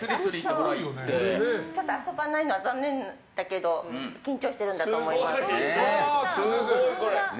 ちょっと遊ばないのは残念だけど緊張してるんだと思います。